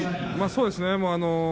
そうですね。